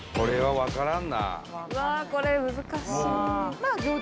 うわあこれ難しい。